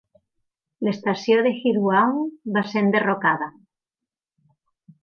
L"estació de Hirwaun va ser enderrocada.